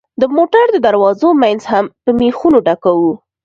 د موټر د دروازو منځ هم په مېخونو ډکوو.